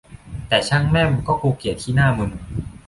แต่ช่างแม่มก็กรูเกลียดขี้หน้ามึม